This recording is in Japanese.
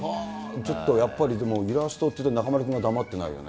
ちょっとやっぱり、でもイラストっていうと中丸君が黙ってないよね。